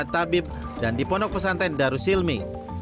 raja matabib dan di pondok pesantren darussilmi